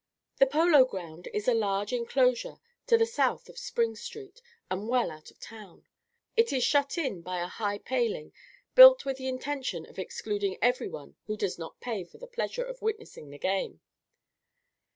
The Polo Ground is a large enclosure to the south of Spring Street, and well out of the town. It is shut in by a high paling, built with the intention of excluding every one who does not pay for the pleasure of witnessing the game.